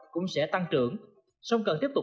cũng sẽ tăng trưởng song cần tiếp tục